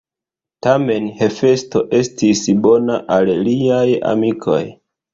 Tamen Hefesto estis bona al liaj amikoj.